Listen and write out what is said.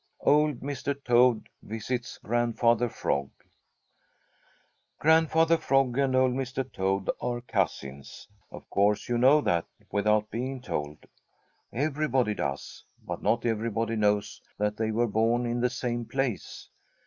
IX OLD MR. TOAD VISITS GRANDFATHER FROG Grandfather Frog and old Mr. Toad are cousins. Of course you know that without being told. Everybody does. But not everybody knows that they were born in the same place.